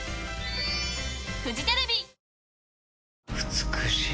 美しい。